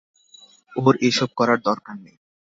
ওর এসব করার দরকার নেই।